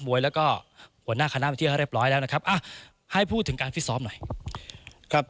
มวยแล้วก็หัวหน้าคณะไปเที่ยวให้เรียบร้อยแล้วนะครับอ่ะให้พูดถึงการฟิตซ้อมหน่อยครับ